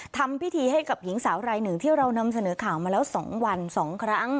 ทำพิธีให้กับหญิงสาวรายหนึ่งที่เรานำเสนอข่าวมาแล้ว๒วัน๒ครั้ง